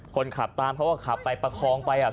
คนขับตามเพราะว่าขับไปประคองไปอะ